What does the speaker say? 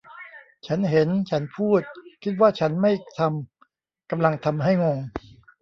ฉันเห็นฉันพูดคิดว่าฉันไม่ทำกำลังทำให้งง